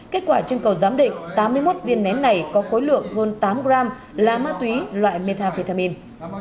kết quả chứng cầu giám định tám mươi một viên nén này có cối lượng gồm tám gram lá ma túy loại methamphetamine